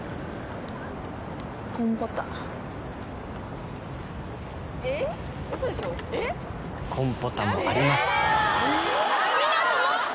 「コンポタ」「コンポタもあります」